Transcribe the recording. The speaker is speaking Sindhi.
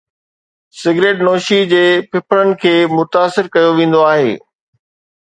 سگريٽ نوشي جي ڦڦڙن کي متاثر ڪيو ويندو آهي